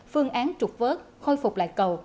phương án trục vớt khôi phục lại cầu